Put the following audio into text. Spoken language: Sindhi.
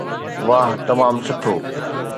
واهه تمام سٺو